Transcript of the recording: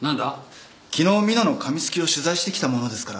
昨日美濃の紙すきを取材してきたものですから。